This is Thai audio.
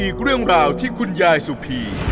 อีกเรื่องราวที่คุณยายสุพี